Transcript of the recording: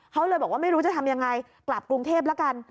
เขาเลยบอกว่าไม่รู้จะทำยังไงกลับกรุงเทพแล้วกัน